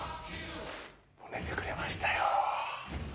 寝てくれましたよ。